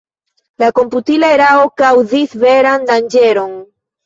La komputila erao kaŭzis veran danĝeron.